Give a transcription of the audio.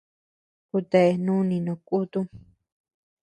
Kutea nuni no kutum.